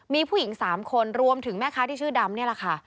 มีผู้หญิง๓คนรวมถึงแม่ค้าที่ชื่อดำนี่แหละค่ะ